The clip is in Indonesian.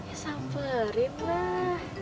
ya samperin lah